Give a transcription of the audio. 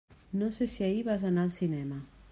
No sé si ahir vas anar al cinema.